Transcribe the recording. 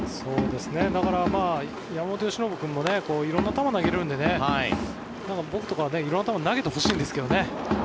だから、山本由伸君も色々な球を投げれるので僕とか、色々な球を投げてほしいんですけどね。